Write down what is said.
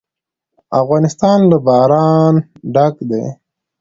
افغانستان له باران ډک دی.